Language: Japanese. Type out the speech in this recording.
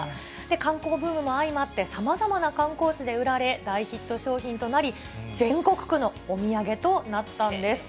観光ブームも相まって、さまざまな観光地で売られ、大ヒット商品となり、全国区のお土産となったんです。